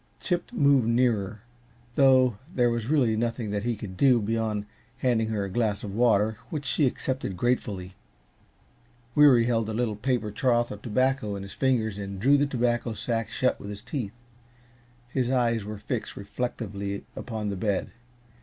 Chip moved nearer, though there was really nothing that he could do beyond handing her a glass of water, which she accepted gratefully. Weary held a little paper trough of tobacco in his fingers and drew the tobacco sack shut with his teeth. His eyes were fixed reflectively upon the bed.